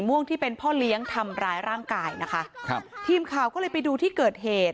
อุ้ยเลือด